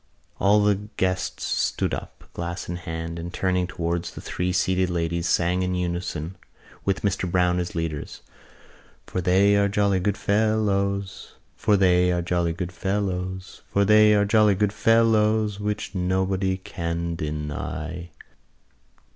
All the guests stood up, glass in hand, and turning towards the three seated ladies, sang in unison, with Mr Browne as leader: For they are jolly gay fellows, For they are jolly gay fellows, For they are jolly gay fellows, Which nobody can deny.